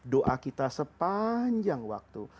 doa kita sepanjang waktu